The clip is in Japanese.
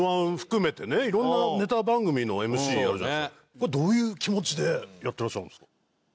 これどういう気持ちでやってらっしゃるんですか？